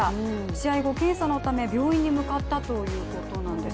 試合後、検査のため、病院に向かったということなんです。